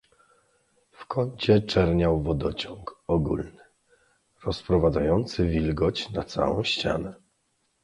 "W kącie czerniał wodociąg ogólny, rozprowadzający wilgoć na całą ścianę."